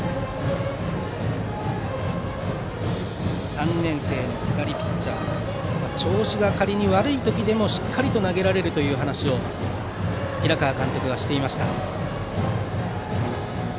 ３年生の左ピッチャー長内は調子が仮に悪い時でもしっかりと投げられるという話を平川監督がしていました。